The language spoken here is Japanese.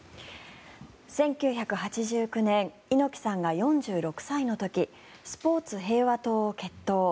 １９８９年猪木さんが４６歳の時スポーツ平和党を結党。